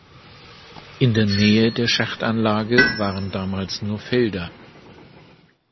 In der Nähe der Schachtanlage waren damals nur Felder.